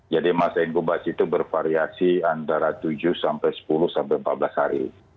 jadi masa inkubasi itu bervariasi antara tujuh sampai sepuluh sampai empat belas hari